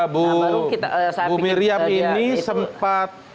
bu miriam ini sempat